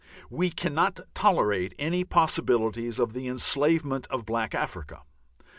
We cannot tolerate any possibilities of the enslavement of black Africa.